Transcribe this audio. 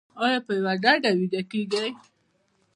ایا په یوه ډډه ویده کیږئ؟